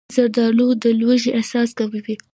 زردالو د لوږې احساس کموي.